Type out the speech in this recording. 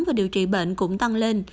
và điều trị bệnh cũng tăng lên